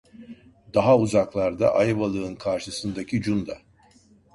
Daha uzaklarda, Ayvalık'ın karşısındaki Cunda.